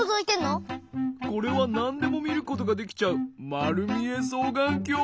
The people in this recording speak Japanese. これはなんでもみることができちゃうまるみえそうがんきょう。